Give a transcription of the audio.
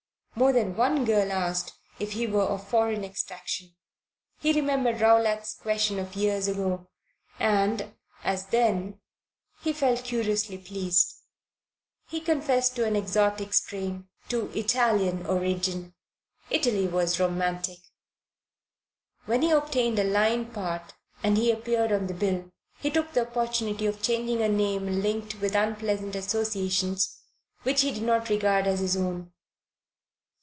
More than one girl asked if he were of foreign extraction. He remembered Rowlatt's question of years ago, and, as then, he felt curiously pleased. He confessed to an exotic strain: to Italian origin. Italy was romantic. When he obtained a line part and he appeared on the bill, he took the opportunity of changing a name linked with unpleasant associations which he did not regard as his own.